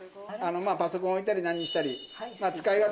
パソコン置いたり何したり使い勝手はもう。